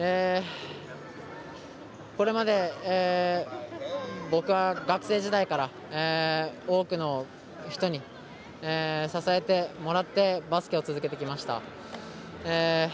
これまで僕は学生時代から多くの人に支えてもらってバスケを続けてきました。